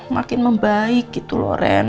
makin membaik gitu loh ren